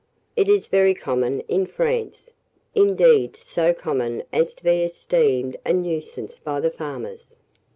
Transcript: It is very common in France; indeed, so common as to be esteemed a nuisance by the farmers.